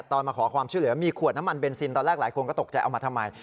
มาขอความช่วยเหลือมีขวดน้ำมันเบนซินตอนแรกหลายคนก็ตกใจเอามาทำไม